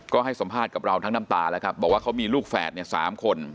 ก็ให้สัมภาษณ์กับเราทั้งน้ำตาแล้วครับบอกว่าเขามีลูกแฝดเนี่ย๓คน